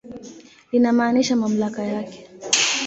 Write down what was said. Linamaanisha mamlaka yake.